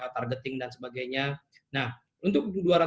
targetting dan sebagainya nah untuk